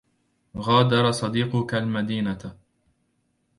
غادر صديقك المدينة.